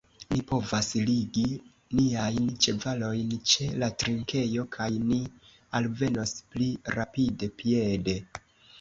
Ni povas ligi niajn ĉevalojn ĉe la trinkejo, kaj ni alvenos pli rapide piede.